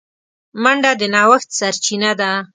منډه د نوښت سرچینه ده